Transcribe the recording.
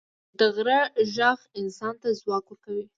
د غره ږغ انسان ته ځواک ورکوي.